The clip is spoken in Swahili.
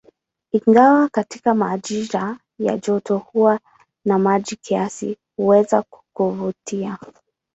Ingawa katika majira ya joto huwa na maji kiasi, huweza kuvutia.